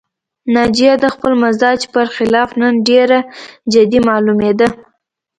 ناجیه د خپل مزاج پر خلاف نن ډېره جدي معلومېده